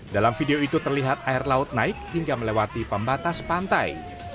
dalam video itu terlihat air laut naik hingga melewati pembatas pantai